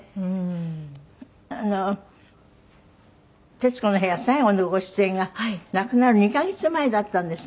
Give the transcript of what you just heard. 『徹子の部屋』最後のご出演が亡くなる２カ月前だったんですね。